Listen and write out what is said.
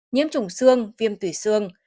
nhiễm trùng xương viêm tủy xương